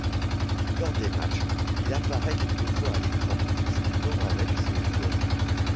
Lors des matchs, il apparaît quelques fois à l'écran, discutant avec ses joueurs.